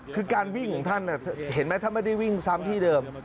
คือการวิ่งของท่านเห็นไหมท่านไม่ได้วิ่งซ้ำที่เดิม